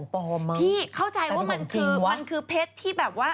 พี่เข้าใจว่ามันคือมันคือเพชรที่แบบว่า